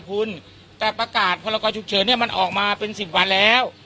คุณแต่ประกาศพรกรฉุกเฉินเนี่ยมันออกมาเป็นสิบวันแล้ว